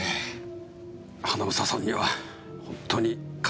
英さんには本当に感謝しています。